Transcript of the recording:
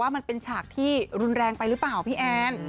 มันเป็นฉากที่รุนแรงไปหรือเปล่าพี่แอน